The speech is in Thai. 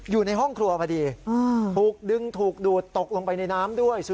อยู่ในห้องครัวพอดีถูกดึงถูกดูดตกลงไปในน้ำด้วย